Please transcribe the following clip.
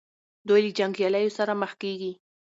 دوی له جنګیالیو سره مخ کیږي.